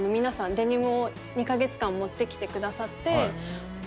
デニムを２カ月間持ってきてくださって。